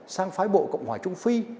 sang phái bộ cộng hòa trung phi